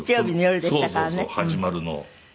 始まるのを。